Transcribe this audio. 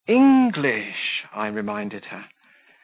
"English!" I reminded her.